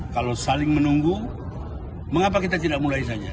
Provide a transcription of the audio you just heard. kalau saling menunggu mengapa kita tidak mulai saja